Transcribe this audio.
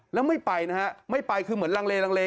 แล้วไม่ไปนะฮะไม่ไปคือเหมือนลังเลลังเล